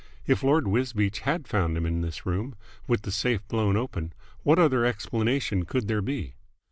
If Lord Wisbeach had found him in this room, with the safe blown open, what other explanation could there be?